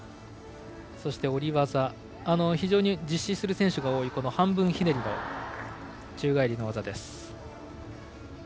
下り技は非常に実施する選手が多い半分ひねりの宙返りの技でした。